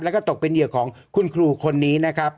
แล้วก็ตกเป็นเหยื่อของคุณครูคนนี้นะครับ